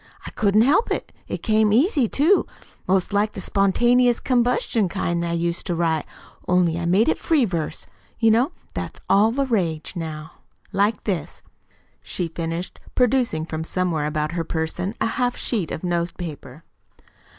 I couldn't help it. An' it came easy, too 'most like the spontaneous combustion kind that I used to write, only I made it free verse. You know that's all the rage now. Like this," she finished, producing from somewhere about her person a half sheet of note paper.